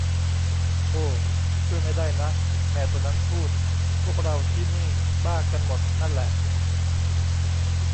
โอ้ ช่วยไม่ได้นะ แมวตัวนั้นพูด พวกเราที่นี่บ้ากันหมดนั่นแหละ